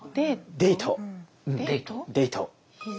デート。